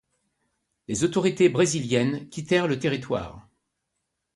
Les autorités brésiliennes quittèrent le territoire.